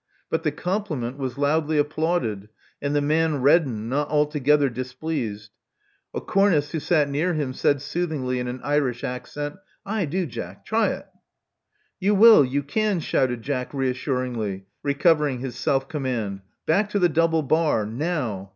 But the compliment was loudly applauded, and the man reddened, not alto gether displeased. A cornist who sat near him said soothingly in an Irish accent, Aye, do, Joe. Try it." "You will: you can," shouted Jack reassuringly, recovering his self command. Back to the double bar. Now!"